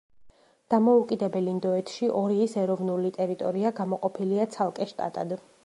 დამოუკიდებელ ინდოეთში ორიის ეროვნული ტერიტორია გამოყოფილია ცალკე შტატად.